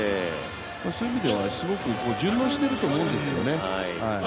そういう意味では順応していると思うんですよね。